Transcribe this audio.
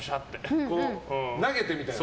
投げてみたいな？